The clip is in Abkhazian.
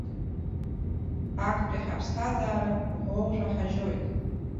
Актәи ҳаԥсҭазара ӷәӷәоушәа ҳажьоит.